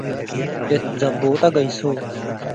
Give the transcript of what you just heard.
እት ዘቡጠ ገይሶ ።